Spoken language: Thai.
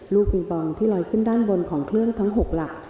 ปิงปองที่ลอยขึ้นด้านบนของเครื่องทั้ง๖หลัก